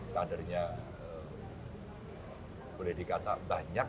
kadernya boleh dikata banyak